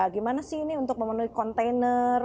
gimana sih ini untuk memenuhi kontainer